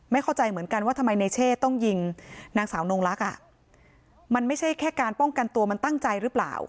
เข้าใจเหมือนกันว่าทำไมในเช่ต้องยิงนางสาวนงลักษณ์อ่ะมันไม่ใช่แค่การป้องกันตัวมันตั้งใจหรือเปล่า